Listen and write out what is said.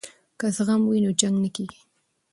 که زغم وي نو جنګ نه کیږي.